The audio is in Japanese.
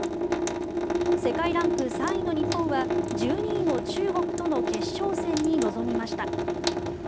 世界ランク３位の日本は１２位の中国との決勝戦に臨みました。